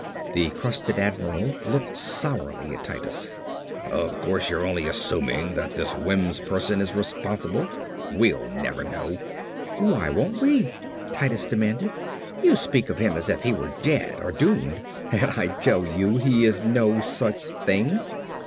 The crusted admiral looked sourly at Titus. "Of course you're only assuming that this Wims person is responsible. We'll never really know." "Why won't we?" Titus demanded. "You speak of him as if he were dead or doomed and I tell you he is no such thing.